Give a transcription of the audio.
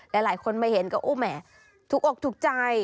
หลายคนมาเห็นก็อู้แหมถูกอกถูกใจ